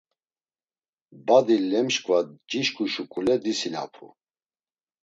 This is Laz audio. Badi lemşǩva cişǩu şuǩule disinapu: